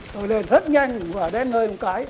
tôi lên rất nhanh và đến nơi một cái